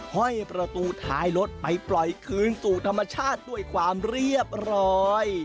ห้อยประตูท้ายรถไปปล่อยคืนสู่ธรรมชาติด้วยความเรียบร้อย